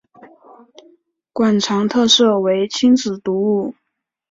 馆藏特色为亲子读物。